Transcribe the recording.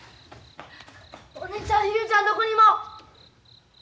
お姉ちゃん雄ちゃんどこにも。